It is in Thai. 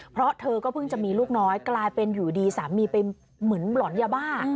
เพราะเธอก็เพิ่งจะมีลูกน้อยกลายเป็นอยู่ดีสามีไปเหมือนหลอนยาบ้า